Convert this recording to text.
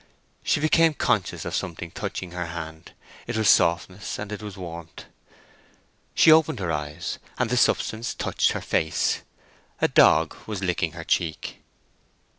She became conscious of something touching her hand; it was softness and it was warmth. She opened her eyes, and the substance touched her face. A dog was licking her cheek.